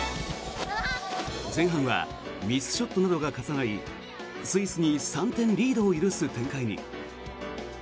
前半はミスショットなどが重なりスイスに３点リードを許す展開に。